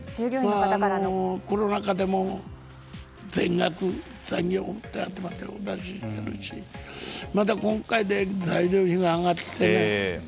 コロナ禍でも全額残業手当もお出ししているしまた、今回で材料費が上がって。